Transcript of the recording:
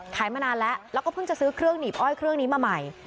ขายมาแล้วแล้วพึ่งจะซื้อเครื่องหนีบอ้อยมาใหม่